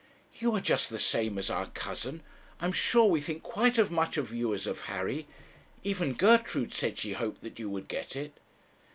'You are just the same as our cousin. I am sure we think quite as much of you as of Harry. Even Gertrude said she hoped that you would get it.'